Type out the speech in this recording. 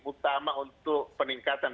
utama untuk peningkatan